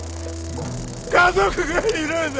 家族がいるんだ。